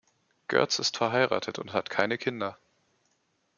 Görtz ist verheiratet und hat keine Kinder.